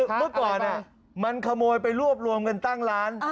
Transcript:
เมื่อก่อนมันขโมยไปรวบรวมกันตั้งร้าน